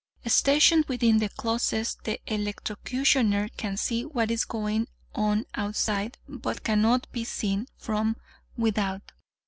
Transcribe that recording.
Stationed within the closet, the Electrocutioner can see what is going on outside, but cannot be seen from without.